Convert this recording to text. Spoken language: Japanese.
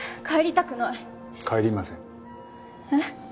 帰りたくない。